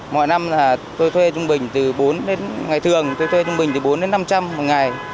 mỗi năm tôi thuê trung bình từ bốn đến năm trăm linh một ngày